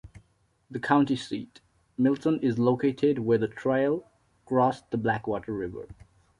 The county seat, Milton is located where the trail crossed the Blackwater River.